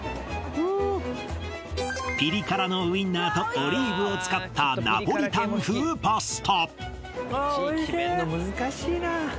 うーんピリ辛のウインナーとオリーブを使ったナポリタン風パスタ